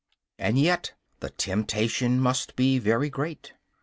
And yet, the temptation must seem very great.